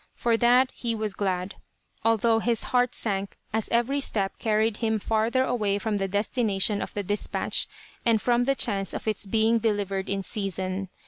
For that he was glad, although his heart sank as every step carried him farther away from the destination of the dispatch, and from the chance of its being delivered in season.